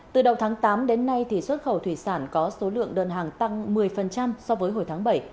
từ đầu tháng tám đến nay xuất khẩu thủy sản có số lượng đơn hàng tăng một mươi so với hồi tháng bảy